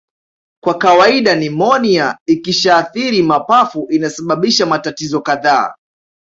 Kwa kawaida nimonia ikishaathiri mapafu inasababisha matatizo kadhaa